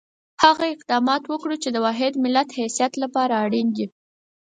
هغه اقدامات وکړو چې د واحد ملت حیثیت لپاره اړین دي.